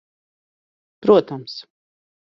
Protams.